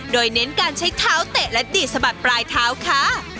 โดยเน้นการใช้เท้าเตะและดีดสะบัดปลายเท้าค่ะ